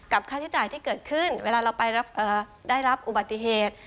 ค่าใช้จ่ายที่เกิดขึ้นเวลาเราไปได้รับอุบัติเหตุ